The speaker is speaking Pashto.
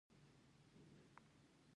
د کنیشکا پاچا دوره د سرو زرو دوره وه